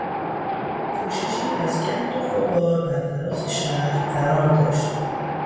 پوششی از گرد و غبار بر فراز شهر قرار داشت.